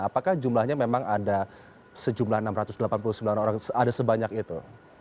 apakah jumlahnya memang ada sejumlah enam ratus delapan puluh sembilan orang ada sebanyak itu